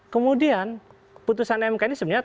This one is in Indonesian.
kemudian putusan mk ini sebenarnya